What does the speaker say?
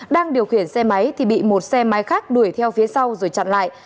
đang điều khiển xe máy thì bị một xe máy khác đuổi theo phía sau rồi chặn lại